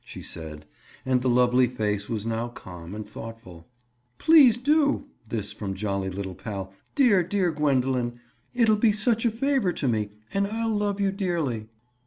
she said, and the lovely face was now calm and thoughtful. "Please do!" This from jolly little pal. "Dear, dear Gwendoline! It'll be such a favor to me. And I'll love you dearly."